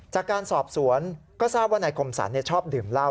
จากการสอบสวนก็ทราบว่านายคมสรรชอบดื่มเหล้า